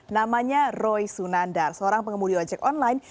namanya roy sunandar seorang pengemudi ojek online